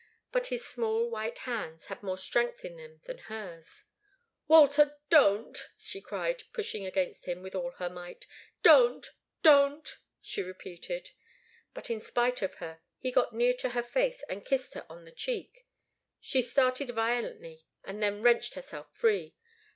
But his small white hands had more strength in them than hers. "Walter don't!" she cried, pushing against him with all her might. "Don't! Don't!" she repeated. But in spite of her, he got near to her face, and kissed her on the cheek. She started violently, and then wrenched herself free.